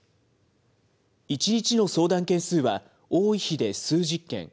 １日の相談件数は、多い日で数十件。